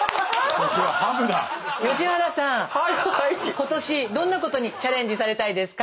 今年どんなことにチャレンジされたいですか？